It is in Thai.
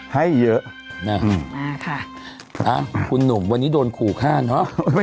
ให้เยอะนะคุณหนุ่มวันนี้โดนขู่ฆ่าเนอะ